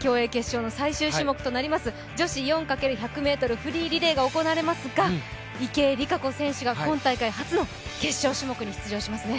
競泳決勝の最終種目となります女子４×１００ｍフリーリレーがありますが池江璃花子選手が今大会初の決勝種目に出場しますね。